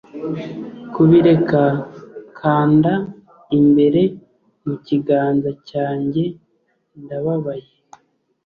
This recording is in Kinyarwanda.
Kubireka kanda imbere mu kiganza cyanjye Ndababaye